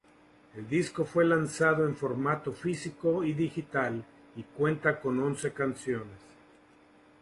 El disco fue lanzado en formato físico y digital y cuenta con once canciones.